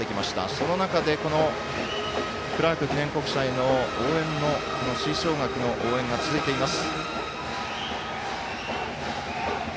その中でクラーク記念国際の吹奏楽の応援が続いています。